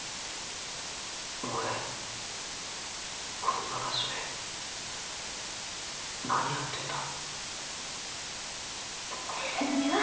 こんな場所で何やってんだ？